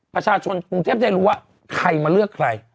ประชาชนกรุงเทพได้รู้ว่าใครมาเลือกใคร